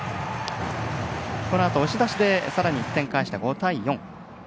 このあと押し出しでさらに１点返して５対４。